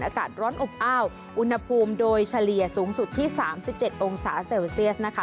อากาศร้อนอบอ้าวอุณหภูมิโดยเฉลี่ยสูงสุดที่๓๗องศาเซลเซียสนะคะ